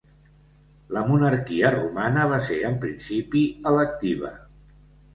La monarquia romana va ser en principi electiva.